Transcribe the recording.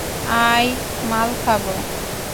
I, মাল খাবো।